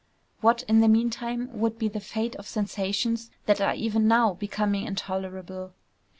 What in the meantime would be the fate of sensations that are even now becoming intolerable?